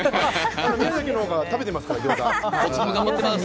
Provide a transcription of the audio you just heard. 宮崎のほうが餃子食べてますから。